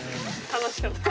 楽しかった！